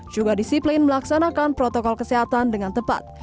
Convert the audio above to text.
juga disiplin melaksanakan protokol kesehatan dengan tepat